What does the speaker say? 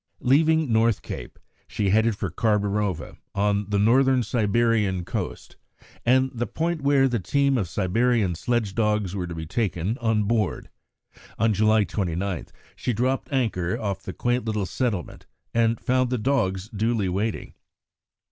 Leaving North Cape, she headed for Kharbarova, on the Northern Siberian coast, and the point where the team of Siberian sledge dogs were to be taken on board. On July 29 she dropped anchor off the quaint little settlement and found the dogs duly waiting.